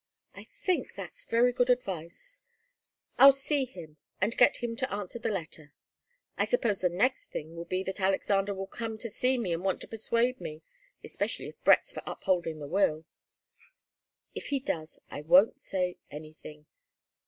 "I think that's very good advice. I'll see him and get him to answer the letter. I suppose the next thing will be that Alexander will come to see me and want to persuade me, especially if Brett's for upholding the will. If he does, I won't say anything.